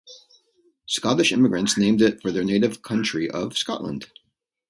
Scottish immigrants named it for their native country of Scotland.